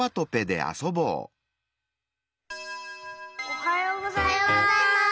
おはようございます！